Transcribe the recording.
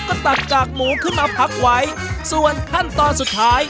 ก็ตัดกากหมูขึ้นมาพักไว้ส่วนขั้นตอนสุดท้าย